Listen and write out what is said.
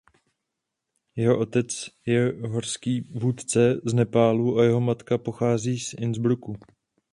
Jeho otec je horský vůdce z Nepálu a jeho matka pochází z Innsbrucku.